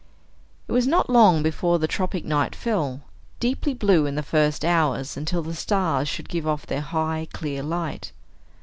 It was not long before the tropic night fell, deeply blue in the first hours until the stars should give off their high clear light.